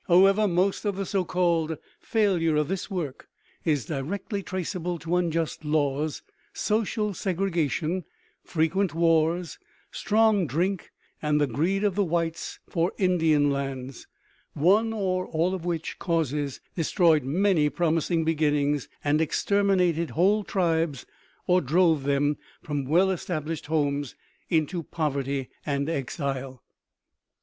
However, most of the so called "failure" of this work is directly traceable to unjust laws, social segregation, frequent wars, strong drink, and the greed of the whites for Indian lands, one or all of which causes destroyed many promising beginnings and exterminated whole tribes or drove them from well established homes into poverty and exile.